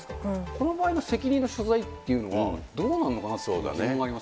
この場合の責任の所在っていうのは、どうなのかなと、気になりま